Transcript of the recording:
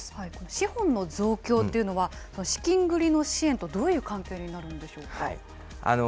この資本の増強っていうのは、資金繰りの支援とどういう関係になるんでしょうか。